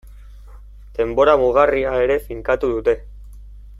Denbora mugarria ere finkatu dute.